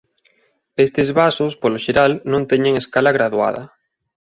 Estes vasos polo xeral non teñen escala graduada.